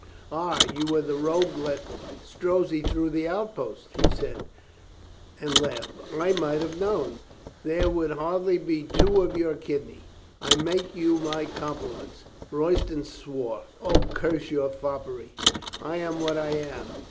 "Ah, you were the rogue let Strozzi through the outposts," he said and laughed. "I might have known. There would FRIENDS 395 hardly be two of your kidney. I make you my compliments." Royston swore. "O, curse your foppery. I am what I am.